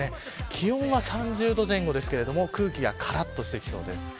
気温は３０度前後ですが空気がからっとしてきそうです。